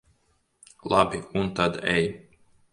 Labi, un tad ej.